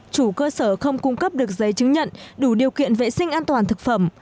chủ cơ sở không cung cấp được giấy chứng nhận đủ điều kiện vệ sinh an toàn thực phẩm